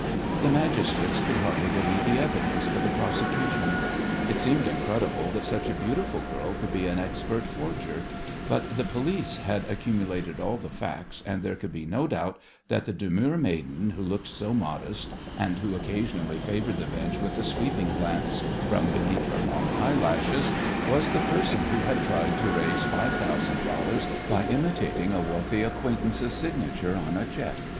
The magistrates could hardly believe the evidence for the prosecution. It seemed incredible that such a beautiful girl could be an expert forger, but the police had accumulated all the facts, and there could be no doubt that the demure maiden who looked so modest, and who occasionally favoured the bench with a sweeping glance from beneath her long eyelashes, was the person who had tried to raise five thousand dollars by imitating a wealthy acquaintance's signature on a cheque.